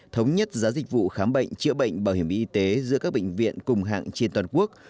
thống nhất giá dịch vụ khám bệnh chữa bệnh bảo hiểm y tế giữa các bệnh viện cùng hạng trên toàn quốc